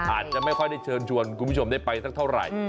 อาจจะไม่ค่อยได้เชิญชวนคุณผู้ชมได้ไปสักเท่าไหร่